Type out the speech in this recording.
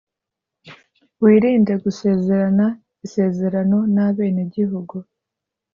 Wirinde gusezerana isezerano na bene igihugu